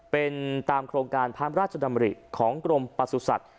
เป็นตามโครงการพระราชดำริของกรมประสุทธิ์